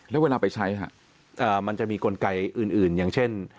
แล้วเวลาไปใช้มันจะมีกลไกอื่นอย่างเช่น